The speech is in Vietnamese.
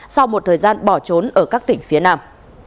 sau một thời gian bỏ trốn ở các tỉnh phía nam